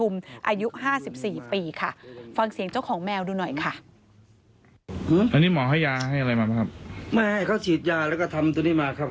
ไม่ให้เขาฉีดยาแล้วก็ทำตัวนี้มาครับ